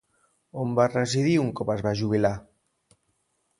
On va residir un cop es va jubilar?